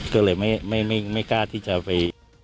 ก็เลยไม่ไม่ไม่ไม่กล้าที่จะไป